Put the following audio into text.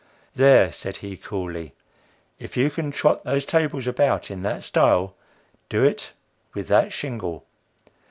"There," said he, coolly, "if you can trot those tables about in that style, do it with that shingle.